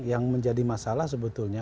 yang menjadi masalah sebetulnya